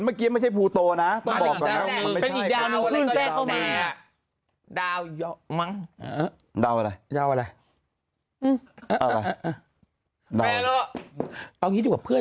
มีเข้าทรงอย่างนี้ได้หรอ